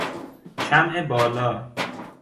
شمع بالا